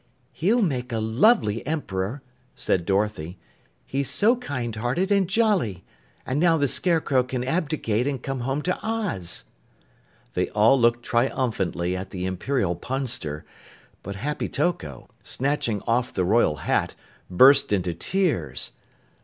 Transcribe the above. "He'll make a lovely Emperor," said Dorothy. "He's so kind hearted and jolly. And now the Scarecrow can abdicate and come home to Oz." They all looked triumphantly at the Imperial Punster, but Happy Toko, snatching off the royal hat, burst into tears.